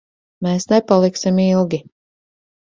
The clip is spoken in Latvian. Mēs nepaliksim ilgi.